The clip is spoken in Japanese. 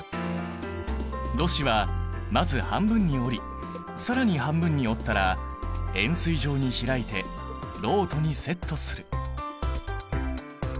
ろ紙はまず半分に折り更に半分に折ったら円すい状に開いてろうとにセットする。